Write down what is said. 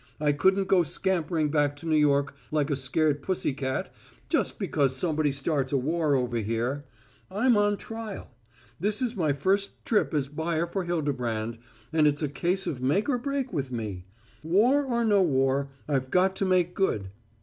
I couldn't go scampering back to New York like a scared pussy cat just because somebody starts a war over here. I'm on trial. This is my first trip as buyer for Hildebrand, and it's a case of make or break with me. War or no war, I've got to make good.